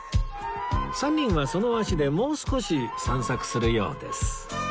３人はその足でもう少し散策するようです